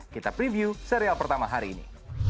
kita preview serial pertama hari ini